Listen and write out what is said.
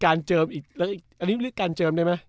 อันนี้เรียกการเจิมได้ไหม